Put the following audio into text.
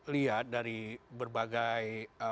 lihat dari berbagai